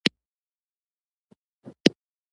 د ښه وخت راتلو ته صبر کول ډېر سخت دي.